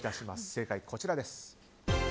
正解はこちらです。